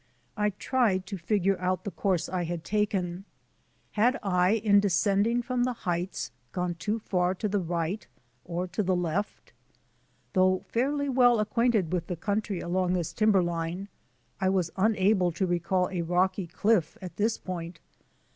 I tried to figure out the course I had taken. Had I, in descending from the heights, gone too far to the right or to the left? Though fairly well ac quainted with the country along this timberline, I was unable to recall a rocky cliff at this point.